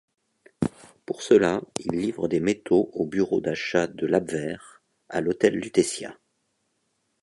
Pour cela il livre des métaux au bureau d'achat de l'Abwehr, à l’hôtel Lutétia.